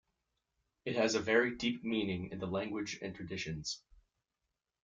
It has a very deep meaning in the language and traditions.